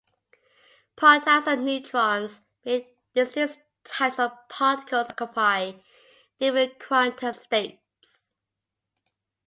Protons and neutrons, being distinct types of particles, occupy different quantum states.